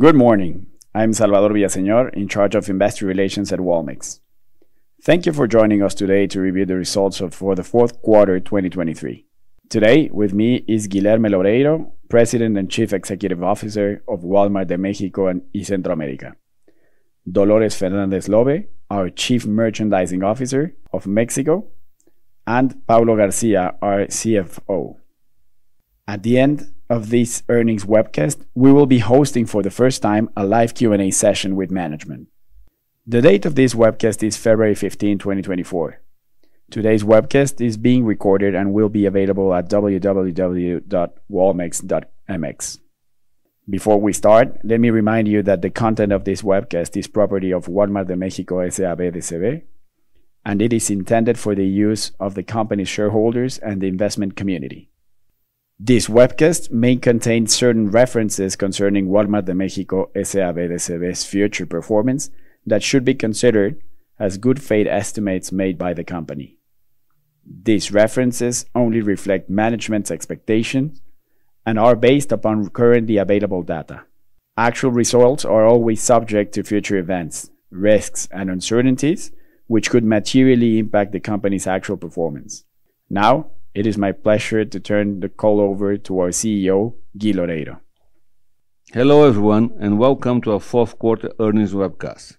Good morning. I'm Salvador Villaseñor, in charge of Investor Relations at Walmex. Thank you for joining us today to review the results for the fourth quarter, 2023. Today, with me is Guilherme Loureiro, President and Chief Executive Officer of Walmart de México y Centroamérica, Dolores Fernández Lobbe, our Chief Merchandising Officer of Mexico, and Paulo Garcia, our CFO. At the end of this earnings webcast, we will be hosting, for the first time, a live Q&A session with management. The date of this webcast is February 15th, 2024. Today's webcast is being recorded and will be available at www.walmex.mx. Before we start, let me remind you that the content of this webcast is property of Walmart de México, S.A.B. de C.V., and it is intended for the use of the company's shareholders and the investment community. This webcast may contain certain references concerning Walmart de México S.A.B. de C.V.'s future performance that should be considered as good-faith estimates made by the company. These references only reflect management's expectations and are based upon currently available data. Actual results are always subject to future events, risks, and uncertainties, which could materially impact the company's actual performance. Now, it is my pleasure to turn the call over to our CEO, Guilherme Loureiro. Hello, everyone, and welcome to our fourth quarter earnings webcast.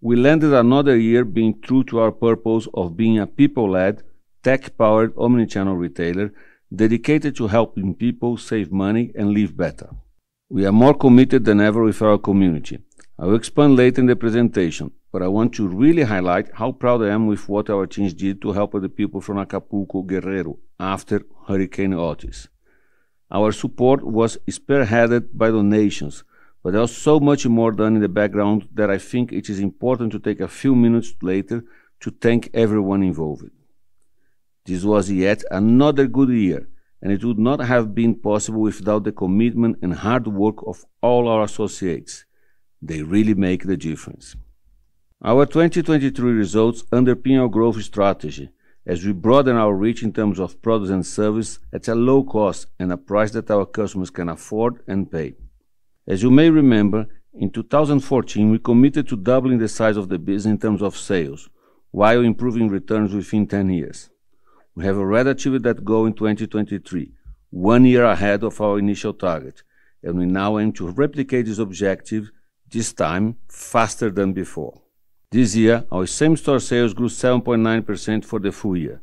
We landed another year being true to our purpose of being a people-led, tech-powered, omni-channel retailer dedicated to helping people save money and live better. We are more committed than ever with our community. I will explain later in the presentation, but I want to really highlight how proud I am with what our teams did to help other people from Acapulco, Guerrero, after Hurricane Otis. Our support was spearheaded by donations, but there was so much more done in the background that I think it is important to take a few minutes later to thank everyone involved. This was yet another good year, and it would not have been possible without the commitment and hard work of all our associates. They really make the difference. Our 2023 results underpin our growth strategy as we broaden our reach in terms of products and service at a low cost and a price that our customers can afford and pay. As you may remember, in 2014, we committed to doubling the size of the business in terms of sales while improving returns within 10 years. We have already achieved that goal in 2023, one year ahead of our initial target, and we now aim to replicate this objective, this time faster than before. This year, our same-store sales grew 7.9% for the full year.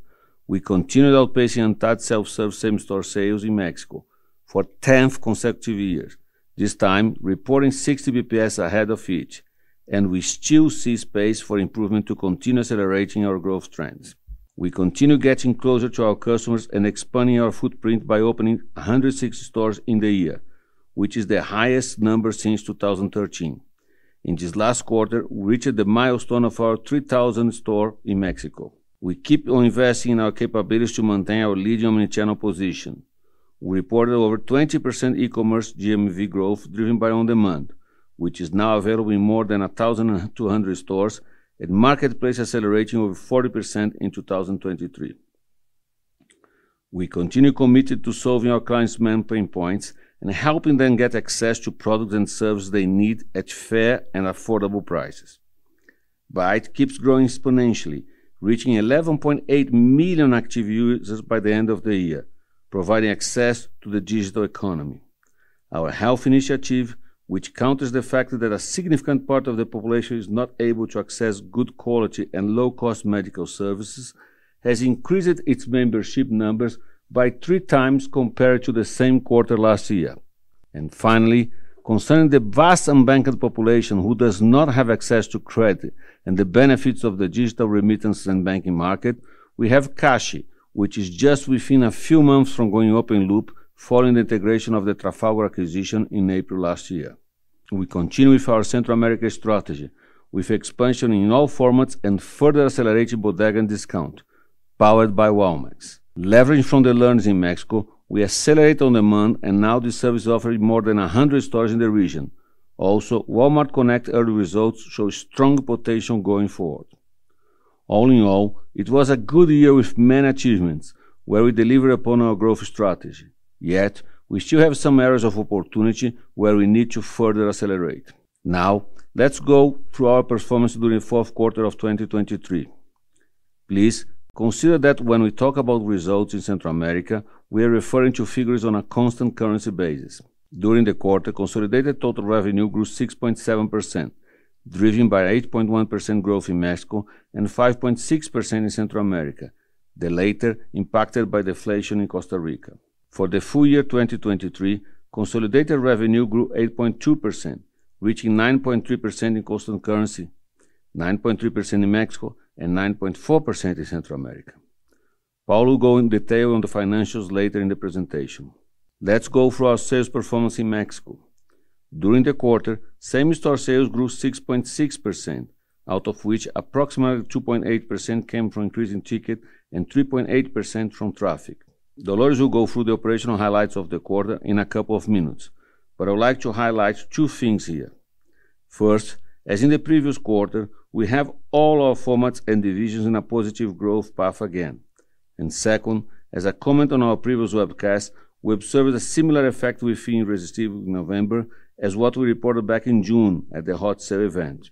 We continued outpacing ANTAD self-serve same-store sales in Mexico for 10th consecutive year, this time, reporting 60 BPS ahead of each, and we still see space for improvement to continue accelerating our growth trends. We continue getting closer to our customers and expanding our footprint by opening 160 stores in the year, which is the highest number since 2013. In this last quarter, we reached the milestone of our 3,000th store in Mexico. We keep on investing in our capabilities to maintain our leading omnichannel position. We reported over 20% eCommerce GMV growth, driven by On Demand, which is now available in more than 1,200 stores, and Marketplace accelerating over 40% in 2023. We continue committed to solving our clients' main pain points and helping them get access to products and services they need at fair and affordable prices. Bait keeps growing exponentially, reaching 11.8 million active users by the end of the year, providing access to the digital economy. Our health initiative, which counters the fact that a significant part of the population is not able to access good quality and low-cost medical services, has increased its membership numbers by three times compared to the same quarter last year. Finally, concerning the vast unbanked population who does not have access to credit and the benefits of the digital remittances and banking market, we have Cashi, which is just within a few months from going open loop following the integration of the Trafalgar acquisition in April last year. We continue with our Central America strategy, with expansion in all formats and further accelerating Bodega and Discount, powered by Walmex. Leveraging from the learnings in Mexico, we accelerate On Demand, and now this service is offered in more than 100 stores in the region. Also, Walmart Connect early results show strong potential going forward. All in all, it was a good year with many achievements, where we delivered upon our growth strategy. Yet, we still have some areas of opportunity where we need to further accelerate. Now, let's go through our performance during the fourth quarter of 2023. Please, consider that when we talk about results in Central America, we are referring to figures on a constant currency basis. During the quarter, consolidated total revenue grew 6.7%, driven by 8.1% growth in Mexico and 5.6% in Central America, the latter impacted by deflation in Costa Rica. For the full year 2023, consolidated revenue grew 8.2%, reaching 9.3% in constant currency, 9.3% in Mexico, and 9.4% in Central America. Paulo will go in detail on the financials later in the presentation. Let's go through our sales performance in Mexico. During the quarter, same-store sales grew 6.6%, out of which approximately 2.8% came from increase in ticket and 3.8% from traffic. Dolores will go through the operational highlights of the quarter in a couple of minutes, but I would like to highlight two things here. First, as in the previous quarter, we have all our formats and divisions in a positive growth path again. And second, as I commented on our previous webcast, we observed a similar effect with El Fin Irresistible in November, as what we reported back in June at the Hot Sale event,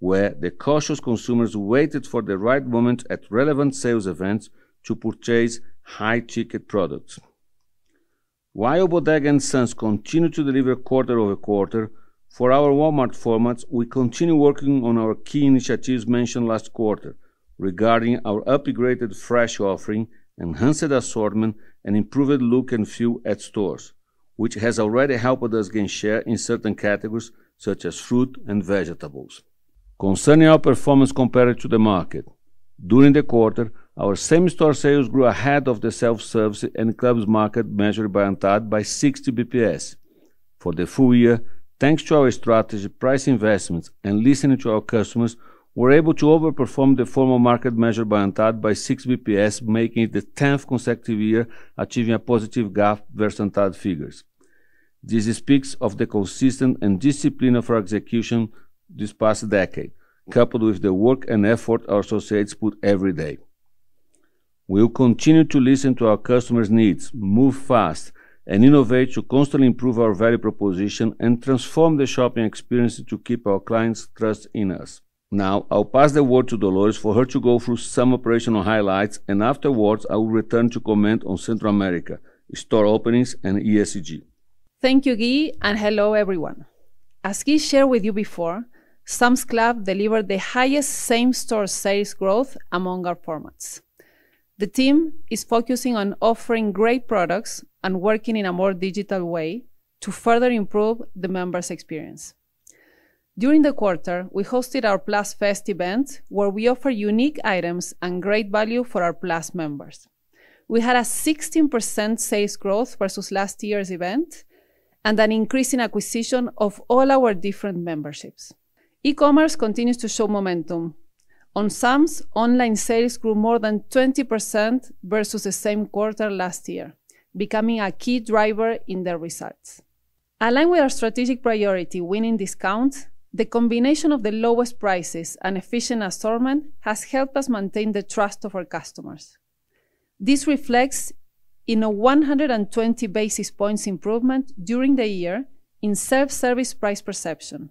where the cautious consumers waited for the right moment at relevant sales events to purchase high-ticket products. While Bodega and Sam's continued to deliver quarter over quarter, for our Walmart formats, we continue working on our key initiatives mentioned last quarter, regarding our upgraded fresh offering, enhanced assortment, and improved look and feel at stores, which has already helped us gain share in certain categories, such as fruit and vegetables. Concerning our performance compared to the market, during the quarter, our same-store sales grew ahead of the self-service and clubs market, measured by ANTAD by 60 basis points. For the full year, thanks to our strategy, price investments, and listening to our customers, we're able to overperform the formal market measured by ANTAD by 6 basis points, making it the 10th consecutive year, achieving a positive gap versus ANTAD figures. This speaks of the consistency and discipline of our execution this past decade, coupled with the work and effort our associates put every day. We will continue to listen to our customers' needs, move fast, and innovate to constantly improve our value proposition, and transform the shopping experience to keep our clients' trust in us. Now, I'll pass the word to Dolores, for her to go through some operational highlights, and afterwards, I will return to comment on Central America, store openings, and ESG. Thank you, Gui, and hello, everyone. As Gui shared with you before, Sam's Club delivered the highest same-store sales growth among our formats. The team is focusing on offering great products and working in a more digital way to further improve the members' experience. During the quarter, we hosted our Plus Fest event, where we offer unique items and great value for our Plus members. We had a 16% sales growth versus last year's event, and an increase in acquisition of all our different memberships. E-commerce continues to show momentum. On Sam's, online sales grew more than 20% versus the same quarter last year, becoming a key driver in their results. Along with our strategic priority, winning discounts, the combination of the lowest prices and efficient assortment has helped us maintain the trust of our customers. This reflects in a 120 basis points improvement during the year in self-service price perception,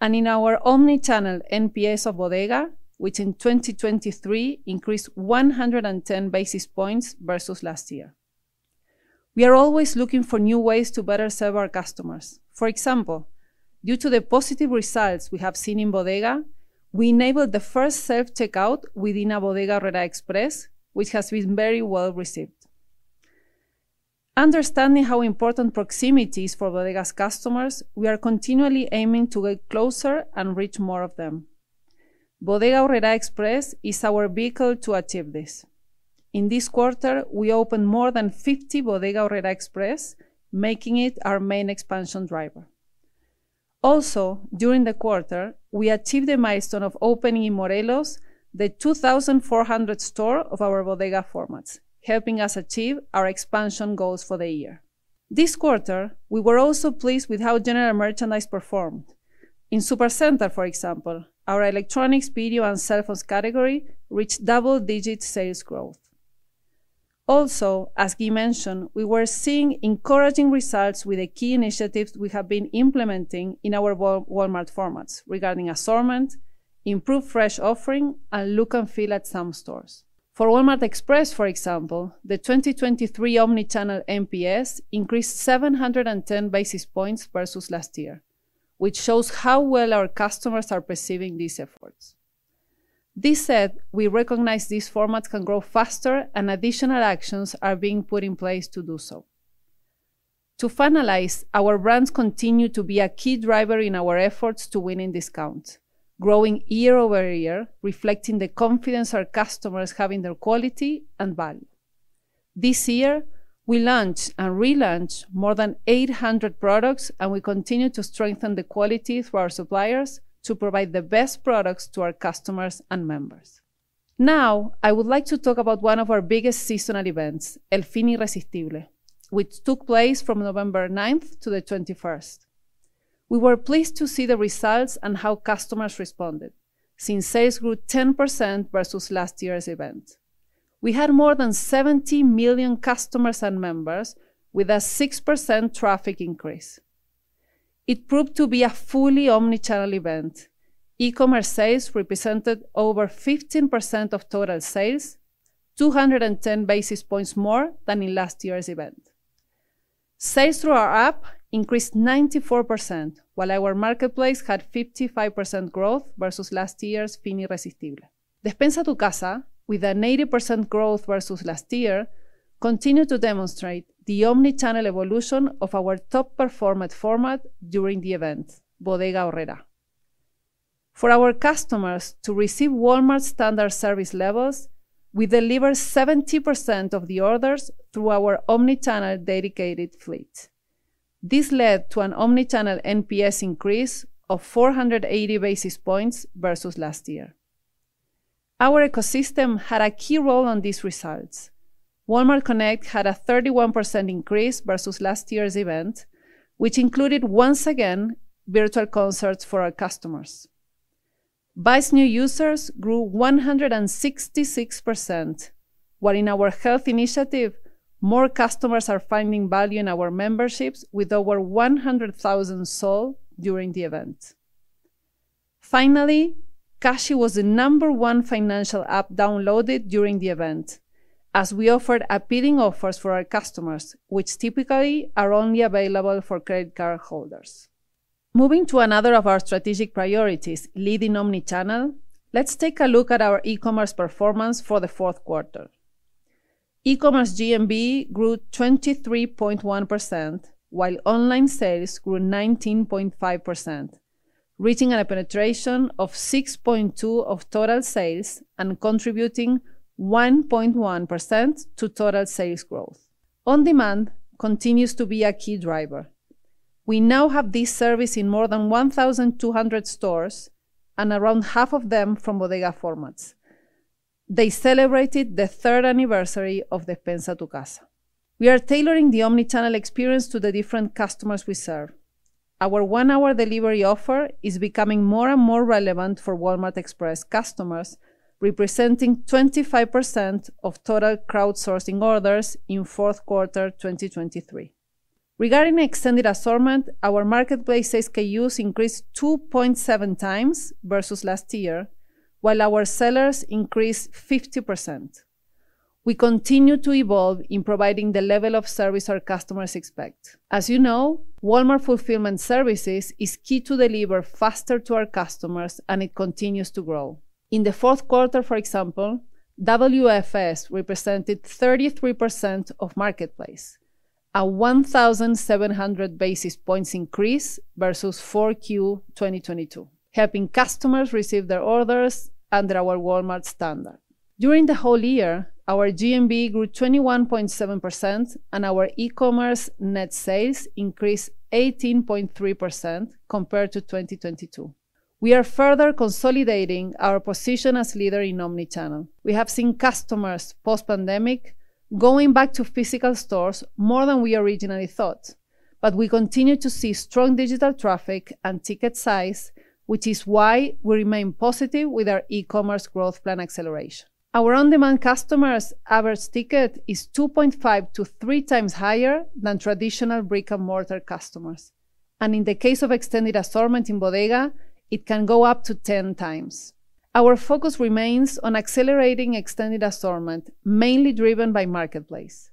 and in our omnichannel NPS of Bodega, which in 2023 increased 110 basis points versus last year. We are always looking for new ways to better serve our customers. For example, due to the positive results we have seen in Bodega, we enabled the first self-checkout within a Bodega Aurrera Express, which has been very well received. Understanding how important proximity is for Bodega's customers, we are continually aiming to get closer and reach more of them. Bodega Aurrera Express is our vehicle to achieve this. In this quarter, we opened more than 50 Bodega Aurrera Express, making it our main expansion driver. Also, during the quarter, we achieved a milestone of opening in Morelos, the 2,400th store of our Bodega formats, helping us achieve our expansion goals for the year. This quarter, we were also pleased with how general merchandise performed. In Supercenter, for example, our electronics, video, and cell phones category reached double-digit sales growth. Also, as Gui mentioned, we were seeing encouraging results with the key initiatives we have been implementing in our Walmart formats, regarding assortment, improved fresh offering, and look and feel at some stores. For Walmart Express, for example, the 2023 omni-channel NPS increased 710 basis points versus last year, which shows how well our customers are perceiving these efforts. That said, we recognize these formats can grow faster, and additional actions are being put in place to do so. To finalize, our brands continue to be a key driver in our efforts to win in discounts, growing year-over-year, reflecting the confidence our customers have in their quality and value. This year, we launched and relaunched more than 800 products, and we continue to strengthen the quality through our suppliers to provide the best products to our customers and members. Now, I would like to talk about one of our biggest seasonal events, El Fin Irresistible, which took place from November 9, 2021. We were pleased to see the results and how customers responded, since sales grew 10% versus last year's event. We had more than 70 million customers and members, with a 6% traffic increase. It proved to be a fully omni-channel event. E-commerce sales represented over 15% of total sales, 210 basis points more than in last year's event. Sales through our app increased 94%, while our marketplace had 55% growth versus last year's El Fin Irresistible. Despensa Tu Casa, with an 80% growth versus last year, continued to demonstrate the omnichannel evolution of our top performance format during the event, Bodega Aurrera. For our customers to receive Walmart's standard service levels, we delivered 70% of the orders through our omnichannel dedicated fleet. This led to an omnichannel NPS increase of 480 basis points versus last year. Our ecosystem had a key role on these results. Walmart Connect had a 31% increase versus last year's event, which included, once again, virtual concerts for our customers. Bait's new users grew 166%, while in our health initiative, more customers are finding value in our memberships, with over 100,000 sold during the event. Finally, Cashi was the number one financial app downloaded during the event, as we offered appealing offers for our customers, which typically are only available for credit card holders. Moving to another of our strategic priorities, leading omnichannel, let's take a look at our e-commerce performance for the fourth quarter. eCommerce GMV grew 23.1%, while online sales grew 19.5%, reaching a penetration of 6.2% of total sales and contributing 1.1% to total sales growth. On demand continues to be a key driver. We now have this service in more than 1,200 stores, and around half of them from Bodega formats. They celebrated the third anniversary of Despensa Tu Casa. We are tailoring the omnichannel experience to the different customers we serve. Our 1-hour delivery offer is becoming more and more relevant for Walmart Express customers, representing 25% of total crowdsourcing orders in fourth quarter 2023. Regarding the extended assortment, our Marketplace SKUs increased 2.7x versus last year, while our sellers increased 50%. We continue to evolve in providing the level of service our customers expect. As you know, Walmart Fulfillment Services is key to deliver faster to our customers, and it continues to grow. In the fourth quarter, for example, WFS represented 33% of Marketplace, a 1,700 basis points increase versus 4Q 2022, helping customers receive their orders under our Walmart standard. During the whole year, our GMV grew 21.7%, and our e-commerce net sales increased 18.3% compared to 2022. We are further consolidating our position as leader in omnichannel. We have seen customers post-pandemic going back to physical stores more than we originally thought, but we continue to see strong digital traffic and ticket size, which is why we remain positive with our e-commerce growth plan acceleration. Our on demand customers' average ticket is 2.5-3 times higher than traditional brick-and-mortar customers, and in the case of extended assortment in Bodega, it can go up to 10 times. Our focus remains on accelerating extended assortment, mainly driven by Marketplace.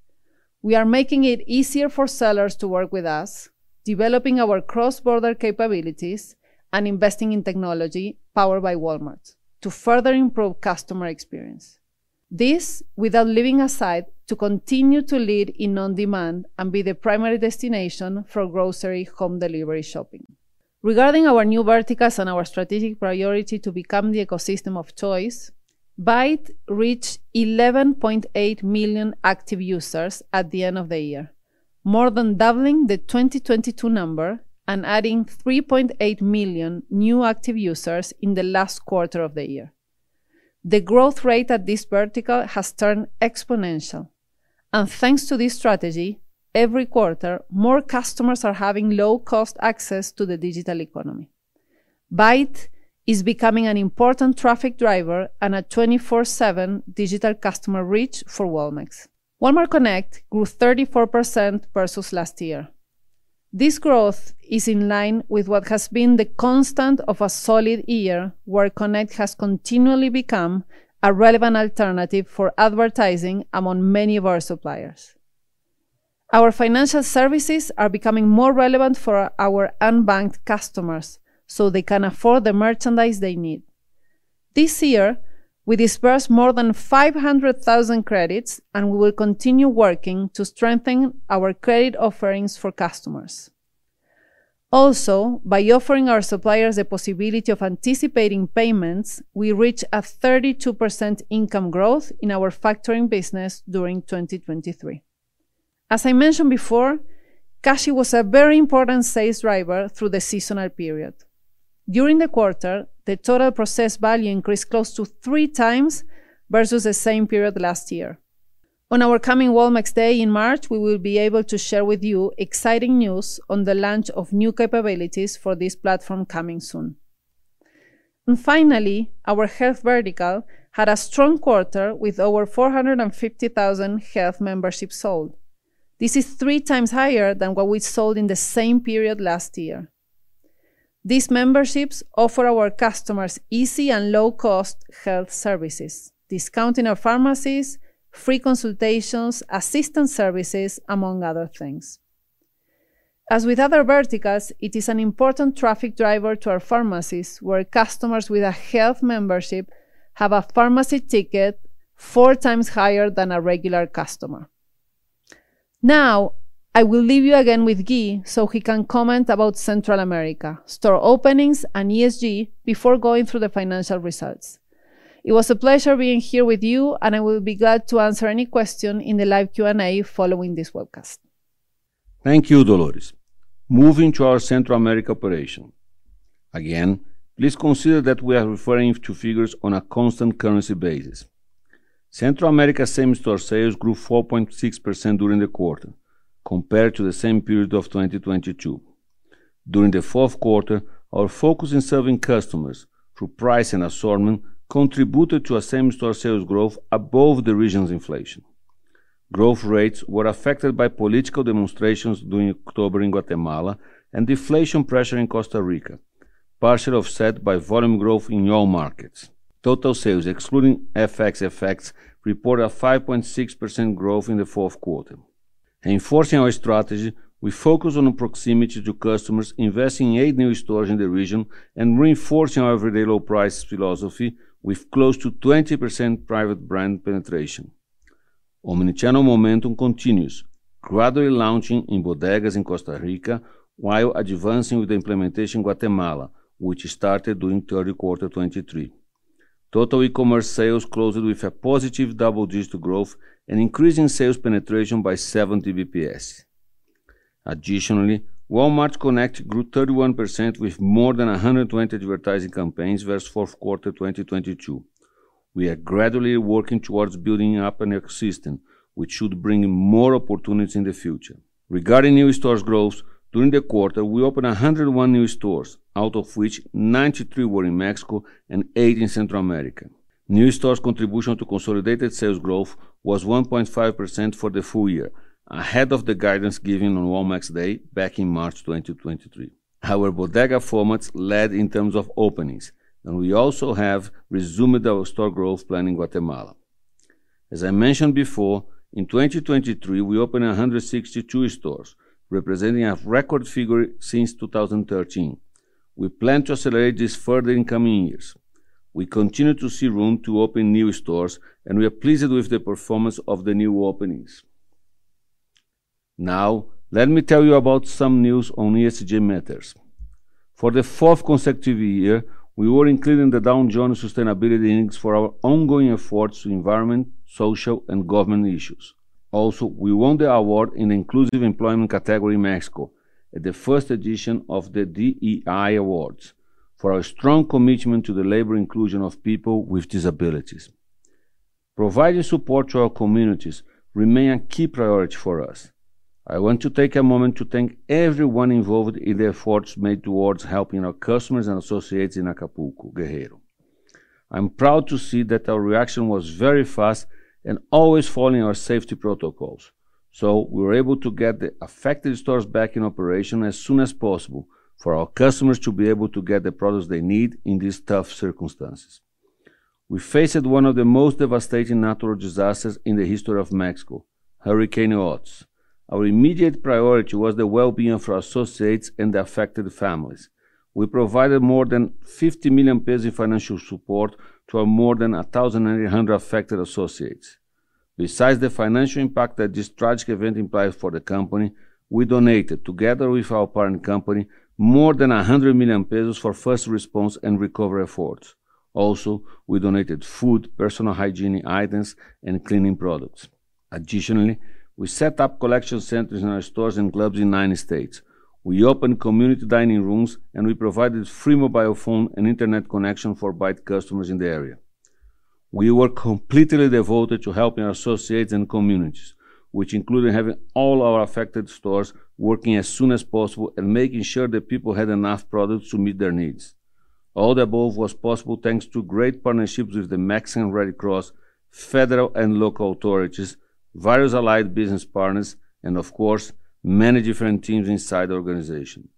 We are making it easier for sellers to work with us, developing our cross-border capabilities and investing in technology powered by Walmart to further improve customer experience. This, without leaving aside, to continue to lead in on demand and be the primary destination for grocery home delivery shopping. Regarding our new verticals and our strategic priority to become the ecosystem of choice, Bait reached 11.8 million active users at the end of the year, more than doubling the 2022 number and adding 3.8 million new active users in the last quarter of the year. The growth rate at this vertical has turned exponential, and thanks to this strategy, every quarter, more customers are having low-cost access to the digital economy. Bait is becoming an important traffic driver and a 24/7 digital customer reach for Walmex. Walmart Connect grew 34% versus last year. This growth is in line with what has been the constant of a solid year, where Connect has continually become a relevant alternative for advertising among many of our suppliers. Our financial services are becoming more relevant for our unbanked customers, so they can afford the merchandise they need. This year, we dispersed more than 500,000 credits, and we will continue working to strengthen our credit offerings for customers. Also, by offering our suppliers the possibility of anticipating payments, we reached a 32% income growth in our factoring business during 2023. As I mentioned before, Cashi was a very important sales driver through the seasonal period. During the quarter, the total process value increased close to three times versus the same period last year. On our coming Walmex Day in March, we will be able to share with you exciting news on the launch of new capabilities for this platform coming soon. Finally, our health vertical had a strong quarter with over 450,000 health memberships sold. This is three times higher than what we sold in the same period last year. These memberships offer our customers easy and low-cost health services, discount in our pharmacies, free consultations, assistance services, among other things. As with other verticals, it is an important traffic driver to our pharmacies, where customers with a health membership have a pharmacy ticket 4 times higher than a regular customer. Now, I will leave you again with Gui, so he can comment about Central America, store openings, and ESG before going through the financial results. It was a pleasure being here with you, and I will be glad to answer any question in the live Q&A following this webcast.... Thank you, Dolores. Moving to our Central America operation. Again, please consider that we are referring to figures on a constant currency basis. Central America same-store sales grew 4.6% during the quarter compared to the same period of 2022. During the fourth quarter, our focus in serving customers through price and assortment contributed to a same-store sales growth above the region's inflation. Growth rates were affected by political demonstrations during October in Guatemala and deflation pressure in Costa Rica, partially offset by volume growth in all markets. Total sales, excluding FX effects, reported a 5.6% growth in the fourth quarter. Enforcing our strategy, we focus on the proximity to customers, investing in 8 new stores in the region and reinforcing our everyday low price philosophy with close to 20% private brand penetration. omnichannel momentum continues, gradually launching in bodegas in Costa Rica, while advancing with the implementation in Guatemala, which started during third quarter 2023. Total e-commerce sales closed with a positive double-digit growth and increasing sales penetration by 70 basis points. Additionally, Walmart Connect grew 31% with more than 120 advertising campaigns versus fourth quarter 2022. We are gradually working towards building up an ecosystem, which should bring in more opportunities in the future. Regarding new stores growth, during the quarter, we opened 101 new stores, out of which 93 were in Mexico and eight in Central America. New stores' contribution to consolidated sales growth was 1.5% for the full year, ahead of the guidance given on Walmex Day back in March 2023. Our Bodega formats led in terms of openings, and we also have resumed our store growth plan in Guatemala. As I mentioned before, in 2023, we opened 162 stores, representing a record figure since 2013. We plan to accelerate this further in coming years. We continue to see room to open new stores, and we are pleased with the performance of the new openings. Now, let me tell you about some news on ESG matters. For the fourth consecutive year, we were included in the Dow Jones Sustainability Index for our ongoing efforts to environment, social, and government issues. Also, we won the award in Inclusive Employment category in Mexico at the first edition of the DEI Awards for our strong commitment to the labor inclusion of people with disabilities. Providing support to our communities remain a key priority for us. I want to take a moment to thank everyone involved in the efforts made towards helping our customers and associates in Acapulco, Guerrero. I'm proud to see that our reaction was very fast and always following our safety protocols, so we were able to get the affected stores back in operation as soon as possible for our customers to be able to get the products they need in these tough circumstances. We faced one of the most devastating natural disasters in the history of Mexico, Hurricane Otis. Our immediate priority was the well-being of our associates and the affected families. We provided more than 50 million pesos in financial support to our more than 1,800 affected associates. Besides the financial impact that this tragic event implied for the company, we donated, together with our parent company, more than 100 million pesos for first response and recovery efforts. Also, we donated food, personal hygiene items, and cleaning products. Additionally, we set up collection centers in our stores and clubs in nine states. We opened community dining rooms, and we provided free mobile phone and internet connection for Bait customers in the area. We were completely devoted to helping our associates and communities, which included having all our affected stores working as soon as possible and making sure that people had enough products to meet their needs. All the above was possible thanks to great partnerships with the Mexican Red Cross, federal and local authorities, various allied business partners, and of course, many different teams inside the organization.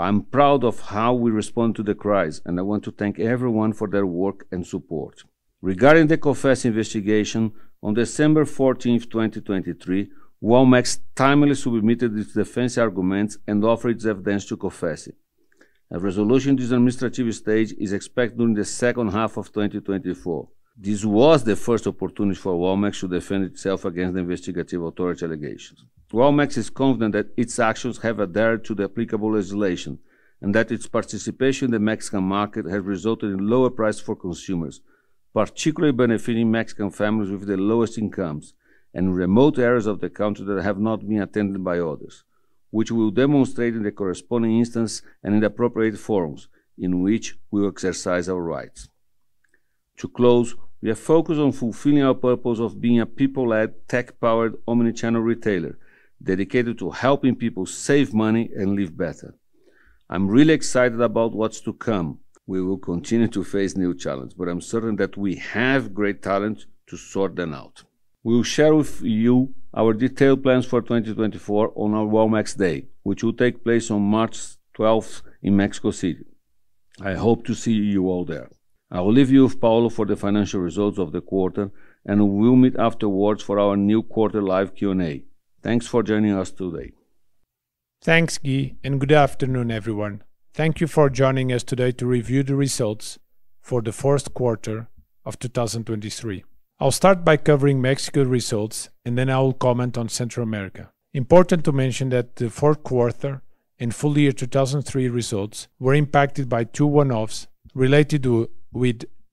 I'm proud of how we respond to the crisis, and I want to thank everyone for their work and support. Regarding the COFECE investigation, on December 14, 2023, Walmex timely submitted its defense arguments and offered its evidence to COFECE. A resolution to this administrative stage is expected during the second half of 2024. This was the first opportunity for Walmex to defend itself against the investigative authority allegations. Walmex is confident that its actions have adhered to the applicable legislation, and that its participation in the Mexican market has resulted in lower prices for consumers, particularly benefiting Mexican families with the lowest incomes and remote areas of the country that have not been attended by others, which we'll demonstrate in the corresponding instance and in the appropriate forums in which we will exercise our rights. To close, we are focused on fulfilling our purpose of being a people-led, tech-powered, Omnichannel retailer, dedicated to helping people save money and live better. I'm really excited about what's to come. We will continue to face new challenges, but I'm certain that we have great talent to sort them out. We will share with you our detailed plans for 2024 on our Walmex Day, which will take place on March 12th in Mexico City. I hope to see you all there. I will leave you with Paulo for the financial results of the quarter, and we will meet afterwards for our new quarter live Q&A. Thanks for joining us today. Thanks, Gui, and good afternoon, everyone. Thank you for joining us today to review the results for the fourth quarter of 2023. I'll start by covering Mexico results, and then I will comment on Central America. Important to mention that the fourth quarter and full year 2023 results were impacted by two one-offs related to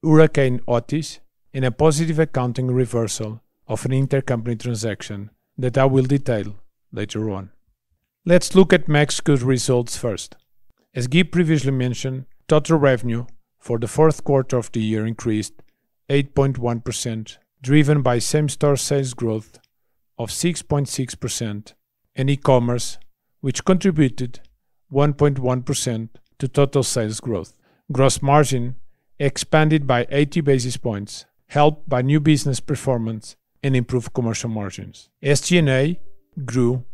Hurricane Otis and a positive accounting reversal of an intercompany transaction that I will detail later on. Let's look at Mexico's results first. As Gui previously mentioned, total revenue for the fourth quarter of the year increased 8.1%, driven by same-store sales growth of 6.6%, and e-commerce, which contributed 1.1% to total sales growth. Gross margin expanded by 80 basis points, helped by new business performance and improved commercial margins. SG&A grew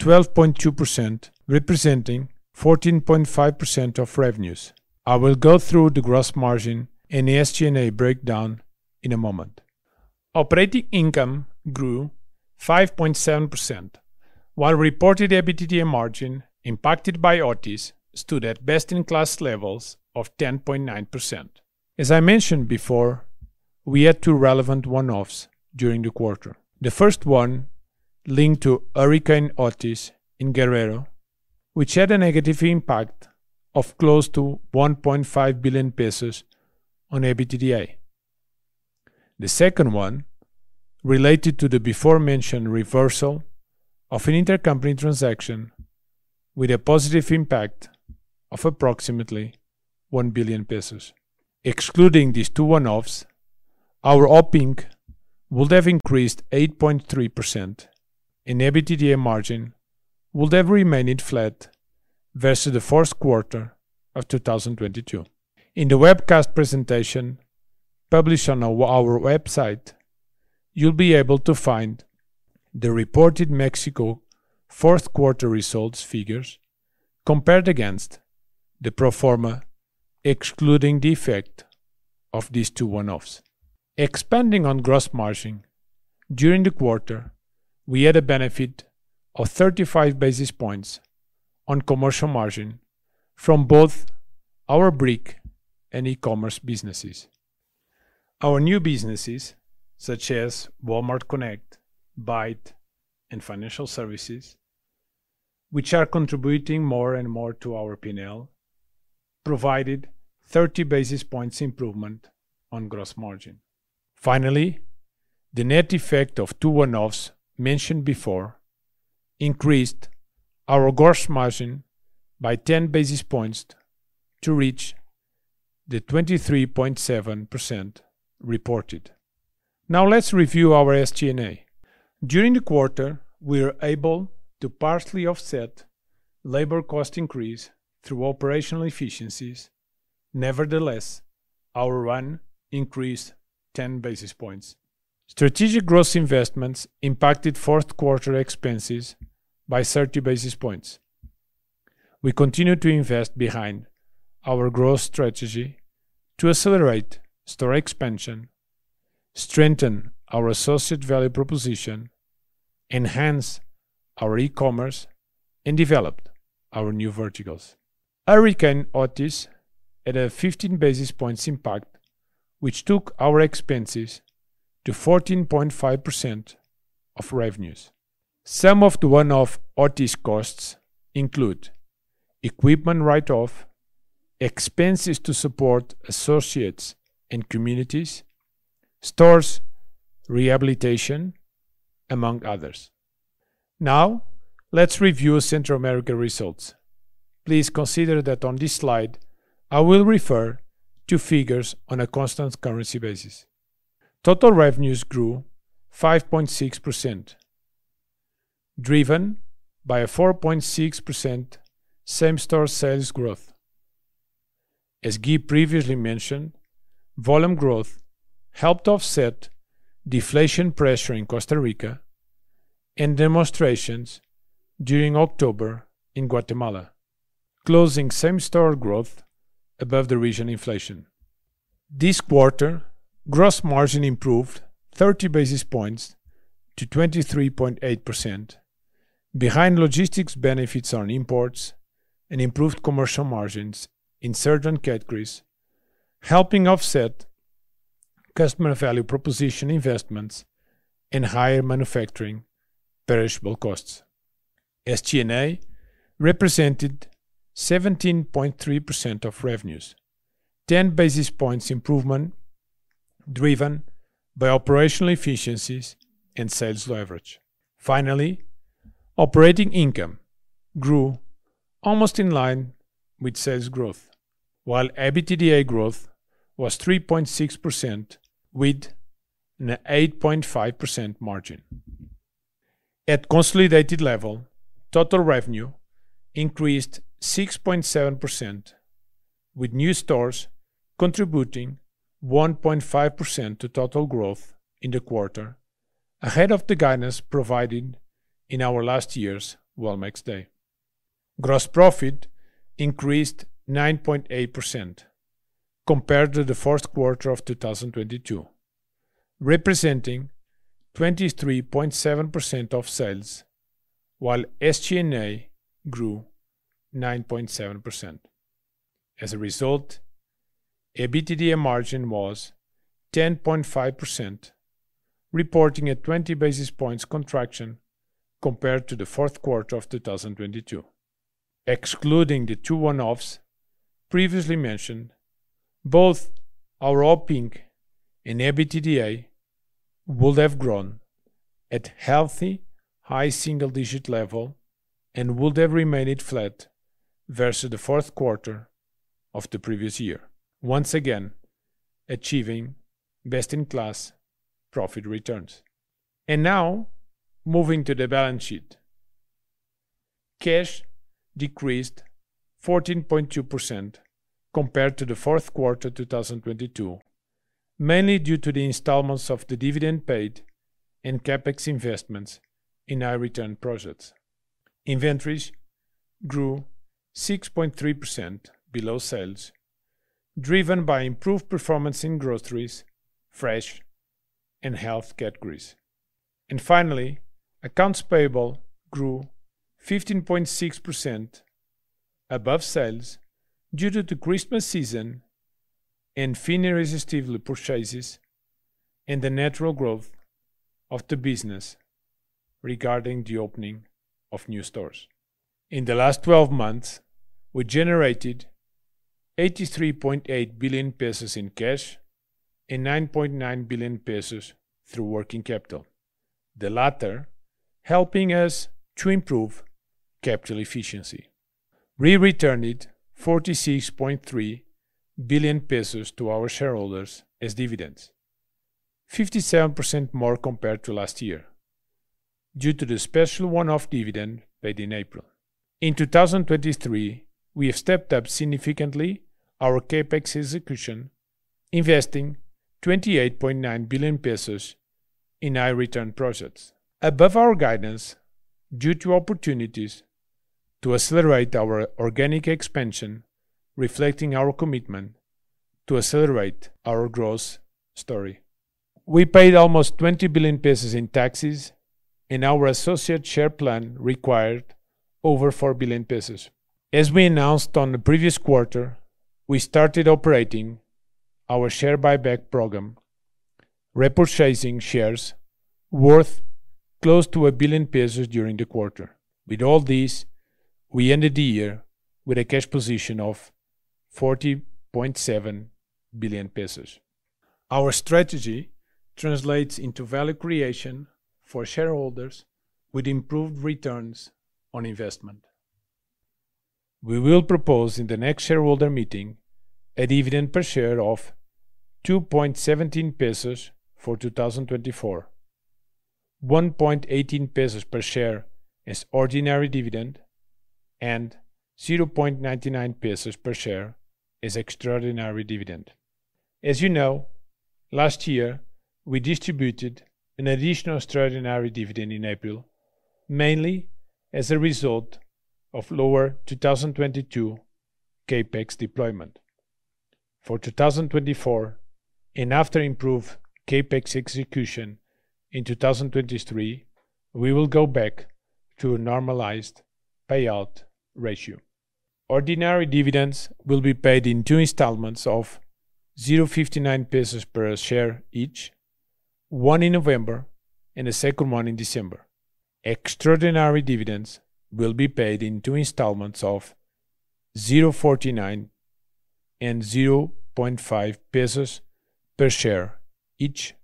12.2%, representing 14.5% of revenues. I will go through the gross margin and the SG&A breakdown in a moment. Operating income grew 5.7%, while reported EBITDA margin, impacted by Otis, stood at best-in-class levels of 10.9%. As I mentioned before, we had two relevant one-offs during the quarter. The first one linked to Hurricane Otis in Guerrero, which had a negative impact of close to 1.5 billion pesos on EBITDA. The second one related to the aforementioned reversal of an intercompany transaction with a positive impact of approximately 1 billion pesos. Excluding these 2 one-offs, our Op Inc would have increased 8.3%, and EBITDA margin would have remained flat versus the first quarter of 2022. In the webcast presentation, published on our website, you'll be able to find the reported Mexico fourth quarter results figures compared against the pro forma, excluding the effect of these two one-offs. Expanding on gross margin, during the quarter, we had a benefit of 35 basis points on commercial margin from both our brick and e-commerce businesses. Our new businesses, such as Walmart Connect, Bait, and Financial Services, which are contributing more and more to our P&L, provided 30 basis points improvement on gross margin. Finally, the net effect of two one-offs mentioned before increased our gross margin by 10 basis points to reach the 23.7% reported. Now, let's review our SG&A. During the quarter, we were able to partially offset labor cost increase through operational efficiencies. Nevertheless, our run increased 10 basis points. Strategic growth investments impacted fourth quarter expenses by 30 basis points. We continue to invest behind our growth strategy to accelerate store expansion, strengthen our associate value proposition, enhance our e-commerce, and develop our new verticals. Hurricane Otis had a 15 basis points impact, which took our expenses to 14.5% of revenues. Some of the one-off Otis costs include equipment write-off, expenses to support associates and communities, stores' rehabilitation, among others. Now, let's review Central America results. Please consider that on this slide, I will refer to figures on a constant currency basis. Total revenues grew 5.6%, driven by a 4.6% same-store sales growth. As Gui previously mentioned, volume growth helped offset deflation pressure in Costa Rica and demonstrations during October in Guatemala, closing same-store growth above the region inflation. This quarter, gross margin improved 30 basis points to 23.8%, behind logistics benefits on imports and improved commercial margins in certain categories, helping offset customer value proposition investments and higher manufacturing perishable costs. SG&A represented 17.3% of revenues, 10 basis points improvement, driven by operational efficiencies and sales leverage. Finally, operating income grew almost in line with sales growth, while EBITDA growth was 3.6%, with an 8.5% margin. At consolidated level, total revenue increased 6.7%, with new stores contributing 1.5% to total growth in the quarter, ahead of the guidance provided in our last year's Walmex Day. Gross profit increased 9.8% compared to the first quarter of 2022, representing 23.7% of sales, while SG&A grew 9.7%. As a result-... EBITDA margin was 10.5%, reporting a 20 basis points contraction compared to the fourth quarter of 2022. Excluding the two one-offs previously mentioned, both our OPI and EBITDA would have grown at healthy, high single-digit level and would have remained flat versus the fourth quarter of the previous year, once again, achieving best-in-class profit returns. Now, moving to the balance sheet. Cash decreased 14.2% compared to the fourth quarter 2022, mainly due to the installments of the dividend paid and CapEx investments in high-return projects. Inventories grew 6.3% below sales, driven by improved performance in groceries, fresh, and health categories. Finally, accounts payable grew 15.6% above sales due to the Christmas season and El Fin Irresistible purchases, and the natural growth of the business regarding the opening of new stores. In the last 12 months, we generated 83.8 billion pesos in cash and 9.9 billion pesos through working capital, the latter helping us to improve capital efficiency. We returned 46.3 billion pesos to our shareholders as dividends, 57% more compared to last year due to the special one-off dividend paid in April. In 2023, we have stepped up significantly our CapEx execution, investing 28.9 billion pesos in high-return projects, above our guidance, due to opportunities to accelerate our organic expansion, reflecting our commitment to accelerate our growth story. We paid almost 20 billion pesos in taxes, and our associate share plan required over 4 billion pesos. As we announced on the previous quarter, we started operating our share buyback program, repurchasing shares worth close to 1 billion pesos during the quarter. With all this, we ended the year with a cash position of 40.7 billion pesos. Our strategy translates into value creation for shareholders with improved returns on investment. We will propose in the next shareholder meeting a dividend per share of 2.17 pesos for 2024, 1.18 pesos per share as ordinary dividend, and 0.99 pesos per share as extraordinary dividend. As you know, last year, we distributed an additional extraordinary dividend in April, mainly as a result of lower 2022 CapEx deployment. For 2024, and after improved CapEx execution in 2023, we will go back to a normalized payout ratio. Ordinary dividends will be paid in 2 installments of 0.59 pesos per share each, one in November and the second one in December. Extraordinary dividends will be paid in two installments of 0.49 MXN and 0.5 pesos per share each,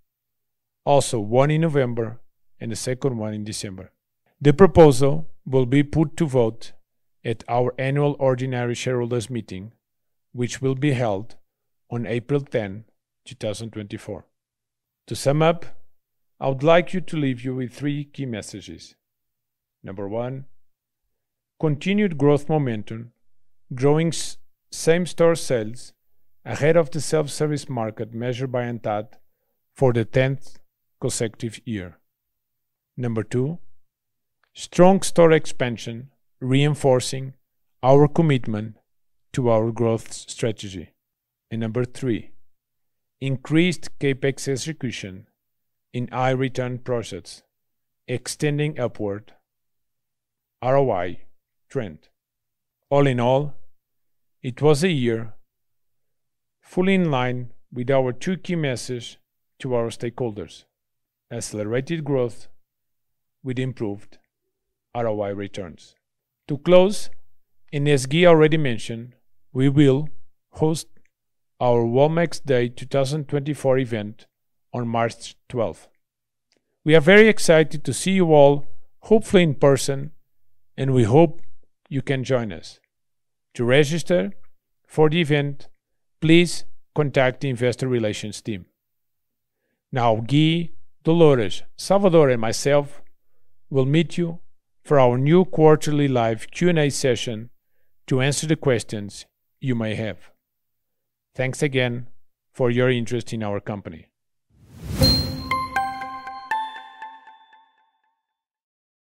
also one in November and the second one in December. The proposal will be put to vote at our annual ordinary shareholders meeting, which will be held on April 10, 2024. To sum up, I would like you to leave you with three key messages. Number one, continued growth momentum, growing same-store sales ahead of the self-service market measured by ANTAD for the tenth consecutive year. Number two, strong store expansion, reinforcing our commitment to our growth strategy. And number three, increased CapEx execution in high-return projects, extending upward ROI trend. All in all, it was a year fully in line with our two key message to our stakeholders: accelerated growth with improved ROI returns. To close, and as Gui already mentioned, we will host our Walmex Day 2024 event on March 12th. We are very excited to see you all, hopefully in person, and we hope you can join us. To register for the event, please contact the investor relations team. Now, Gui, Dolores, Salvador, and myself will meet you for our new quarterly live Q&A session to answer the questions you may have. Thanks again for your interest in our company.